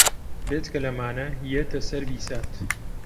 بێجگە لەمانە یێتە سەر بیسات